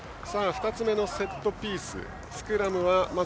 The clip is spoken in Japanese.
２つ目のセットピース。